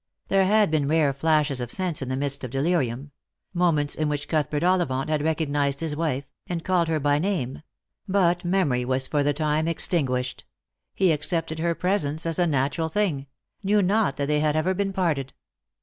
There had been rare flashes of sense in the midst of delirium — moments in which Cuthbert Ollivant had recognised his wife, and called her by her name ; but memory was for the time extinguished. Lost for Love. 873 He accepted her presence as a natural thing — knew not that they had ever been parted.